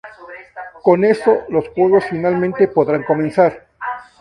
Con eso, los juegos finalmente podrán comenzar.